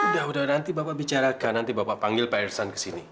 udah udah nanti bapak bicarakan nanti bapak panggil pak irsan ke sini